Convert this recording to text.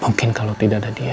mungkin kalau tidak ada dia